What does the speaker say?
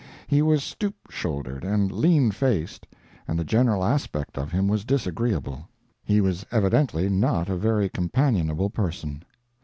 He was stoop shouldered and lean faced, and the general aspect of him was disagreeable; he was evidently not a very companionable person.